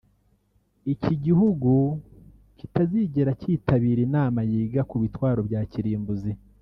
iki gihugu kitazigera cyitabira inama yiga ku bitwaro bya kirimbuzi